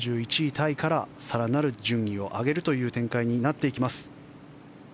タイから更なる順位を上げるという展開になっていきます。